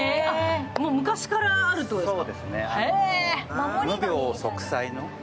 昔からあるってことですか。